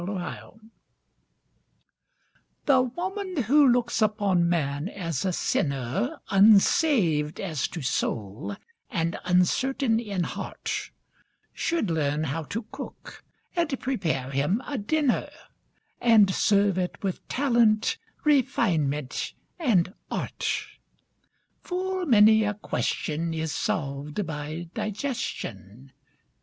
THE CUSINE The woman who looks upon man as a sinner Unsaved as to soul, and uncertain in heart, Should learn how to cook, and prepare him a dinner, And serve it with talent, refinement, and art. Full many a question is solved by digestion.